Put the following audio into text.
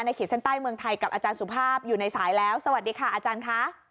ขีดเส้นใต้เมืองไทยกับอาจารย์สุภาพอยู่ในสายแล้วสวัสดีค่ะอาจารย์ค่ะ